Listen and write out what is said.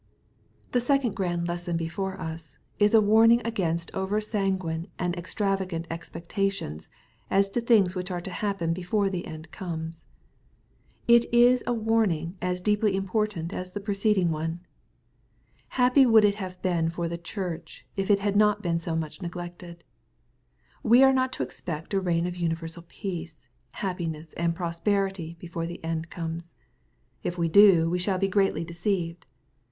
The second grand lesson before us, is a warniTig against over sanguine and extravagant expectations as to things which are to happen before the end comes. It is a warning as deeply important as the preceding one. Happy would it have been for the Church, if it had not been so much neglected. We are not to expect a reign of universal peace, happiness, and prosperity, before the end comes. ^ If we do, we shall be greatly deceived.